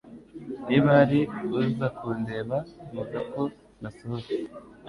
Niba hari uza kundeba vuga ko nasohotse